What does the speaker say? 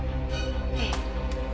ええ。